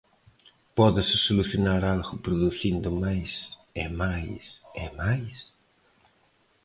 Pódese solucionar algo producindo máis e máis e máis?